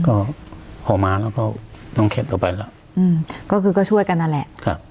ก็พอมาแล้วก็ต้องเข็ดเข้าไปแล้วอืมก็คือก็ช่วยกันนั่นแหละครับ